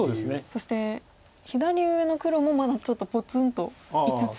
そして左上の黒もまだちょっとぽつんと５つ。